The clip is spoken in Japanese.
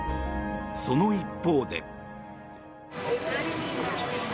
その一方で。